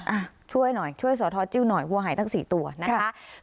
อ่ะช่วยหน่อยช่วยสอทอจิ้วหน่อยวัวหายตั้งสี่ตัวนะคะ